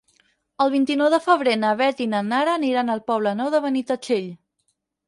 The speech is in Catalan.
El vint-i-nou de febrer na Beth i na Nara aniran al Poble Nou de Benitatxell.